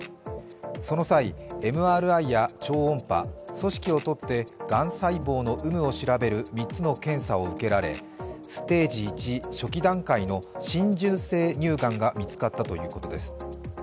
その際、ＭＲＩや超音波、組織をとってがん細胞の有無を調べる３つの検査を受けられ、ステージ１の初期段階の浸潤性乳がんが見つかったということです。